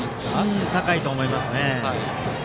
高いと思います。